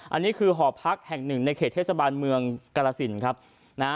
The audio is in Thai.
อันนี้คือหอพักแห่งหนึ่งในเขตเทศบาลเมืองกรสินครับนะฮะ